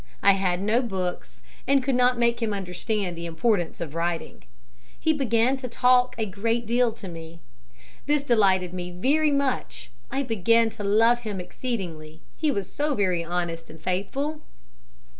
I had no books and could not make him understand the importance of writing. He began to talk a great deal to me. This delighted me very much. I began to love him exceedingly. He was so very honest and faithful.